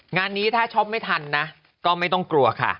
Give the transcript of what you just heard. งานนี้ถ้าช็อปไม่ทันนะก็ไม่ต้องกลัวค่ะ